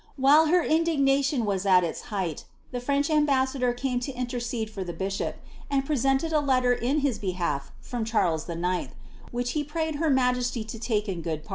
While dignalion was at its height, the French ambassador rame lo i: for the bishop, and presented a letter in Ills behalf from Chai which he prayed her majesty lo lake in good [an.